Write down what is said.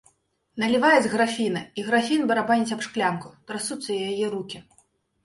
Налівае з графіна, і графін барабаніць аб шклянку, трасуцца яе рукі.